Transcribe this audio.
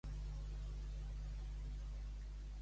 El que Déu ha unit, que l'home no ho separi.